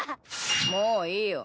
もういいよ。